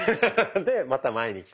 でまた前にきて。